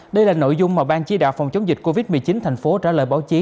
đây là nội dung mà ban chỉ đạo phòng chống dịch covid một mươi chín thành phố trả lời báo chí